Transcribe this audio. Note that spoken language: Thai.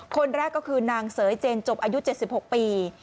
คนแรกก็คือนางเสยเจนจบอายุ๗๖ปี